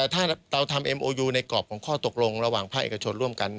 ถ้าเราอยู่ในกรอบของข้อตกลงระหว่างพระเอกชนร่วมกัน